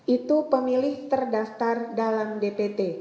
itu pemilih terdaftar dalam dpt